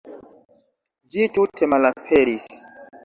Ĝi tute malaperis.